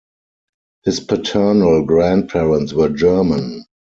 His paternal grandparents were German.